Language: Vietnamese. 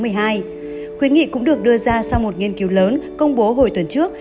hội nghị cũng được đưa ra sau một nghiên cứu lớn công bố hồi tuần trước